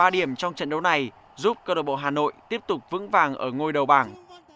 ba điểm trong trận đấu này giúp cơ đội bộ hà nội tiếp tục vững vàng ở ngôi đầu bảng